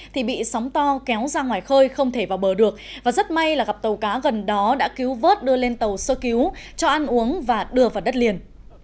thì bị sóng to kéo ra ngoài khơi không thể vào bờ được và rất may là gặp tàu cá gần đó đã cứu vớt đưa lên tàu sơ cứu cho ăn uống và đưa vào đất liền